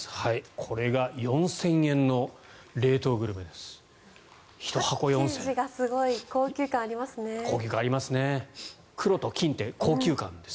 これが４０００円の冷凍グルメです。